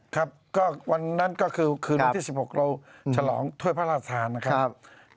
ครับวันนั้นก็คือวันที่๑๖เราชะลองถ้วยพระราชธานครับ